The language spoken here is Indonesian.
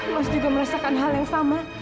mas juga merasakan hal yang sama